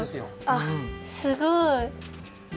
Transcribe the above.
あっすごい！